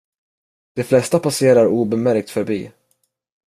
De flesta passerar obemärkt förbi.